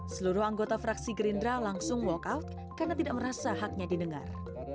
seluruh anggota fraksi gerindra langsung walk out karena tidak merasa haknya didengar